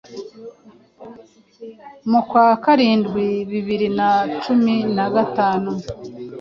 Mu kwa karindwi bibiri na cumi na gatanu